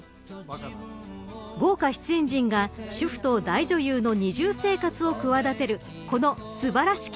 豪華出演陣が、主婦と大女優の二重生活を企てるこの素晴らしき